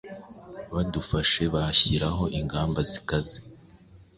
badufashe bashyireho ingamba zikaze